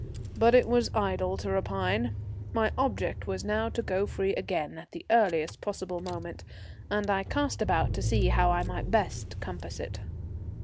But it was idle to repine. My object now was to go free again at the earliest possible moment, and I cast about to see how I might best compass it.